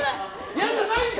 嫌じゃないんか！